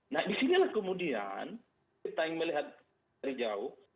nah disinilah kemudian kita yang melihat dari jauh